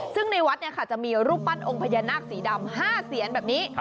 ซึ่งในวัดเนี่ยค่ะจะมีรูปปั้นองค์พญานาคสีดำห้าเซียนแบบนี้